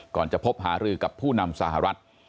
ก่อนจะพบหารือกับผู้นำสหรัฐ